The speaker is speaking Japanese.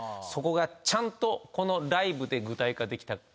そこがちゃんとこのライブで具体化できた。